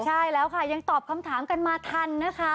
ใช่แล้วค่ะยังตอบคำถามกันมาทันนะคะ